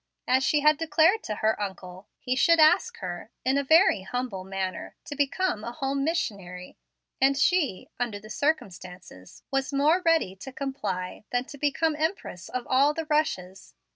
As she had declared to her uncle, he should ask her, in a very humble manner, to become a home missionary, and she, under the circumstances, was more ready to comply than to become Empress of all the Russias.